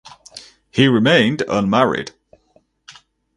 He remained unmarried.